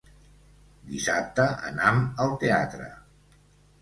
Dissabte anam al teatre.